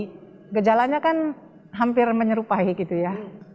jadi gejalanya kan hampir menyerupai gitu ya